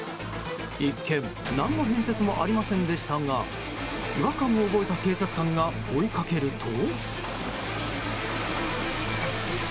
一見、何の変哲もありませんでしたが違和感を覚えた警察官が追いかけると。